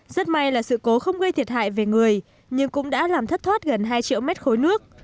rất may là sự cố không gây thiệt hại về người nhưng cũng đã làm thất thoát gần hai triệu mét khối nước